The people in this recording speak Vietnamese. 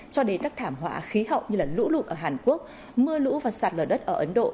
cho đến các thảm họa khí hậu như lũ lụt ở hàn quốc mưa lũ và sạt lở đất ở ấn độ